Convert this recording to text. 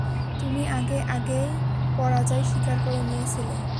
তুমি আগে ভাগেই পরাজয় স্বীকার করে নিয়েছিলে।